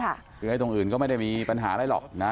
คือไอ้ตรงอื่นก็ไม่ได้มีปัญหาอะไรหรอกนะ